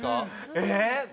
えっ！？